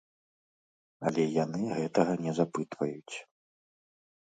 Але яны гэтага не запытваюць.